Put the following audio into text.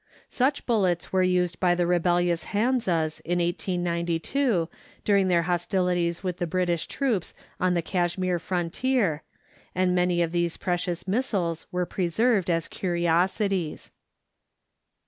Such bullets were used by the rebellious Hanzas, in 1892, during their hostilities with the British troops on the Kashmir frontier, and many of these precious missiles were preserved as curiosities.